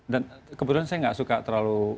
dan kebetulan saya nggak suka terlalu